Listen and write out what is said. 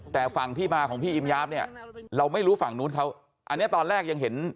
แต่ฝั่งที่มาของพี่อิมยาฟเนี่ยเราไม่รู้ฝั่งนู้นเขาอันนี้ตอนแรกยังเห็น